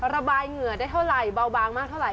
เหงื่อได้เท่าไหร่เบาบางมากเท่าไห